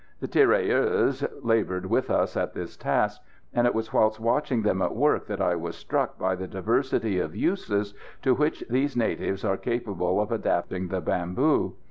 The tirailleurs laboured with us at this task; and it was whilst watching them at work that I was struck by the diversity of uses to which these natives are capable of adapting the bamboo.